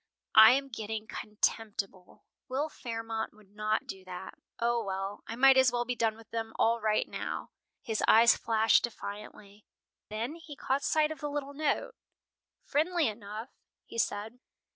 "I am getting contemptible. Will Fairmont would not do that. O, well, I might as well be done with them all right now!" His eyes flashed defiantly. Then he caught sight of the little note. "Friendly enough," he said.